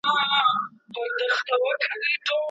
وزیر اکبر خان د خپل استازي له لارې د انگلیس درغلنه څرګنده کړه.